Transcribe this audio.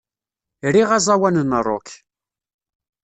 Riɣ aẓawan n rock.